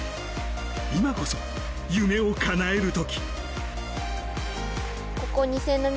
今こそ、夢をかなえる時。